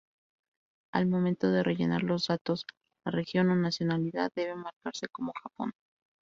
Al momento de rellenar los datos, la región o nacionalidad debe marcarse como Japón.